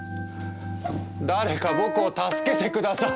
誰か僕を助けて下さい！